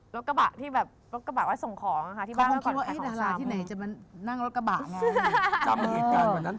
รถกระบะที่แบบรถกระบะว่าส่งของอ่ะค่ะที่บ้านเมื่อก่อนใครของชามที่ไหนจะมานั่งรถกระบะจำเหตุการณ์วันนั้น